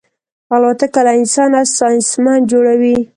الوتکه له انسانه ساینسمن جوړوي.